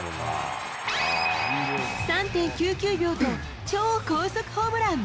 ３．９９秒と、超高速ホームラン。